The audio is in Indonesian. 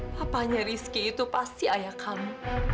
papanya rizky itu pasti ayah kami